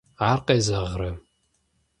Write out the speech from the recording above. Ар къезэгърэ?